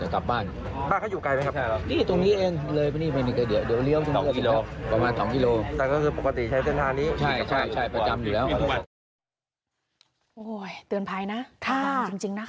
ค่ะจริงนะคะ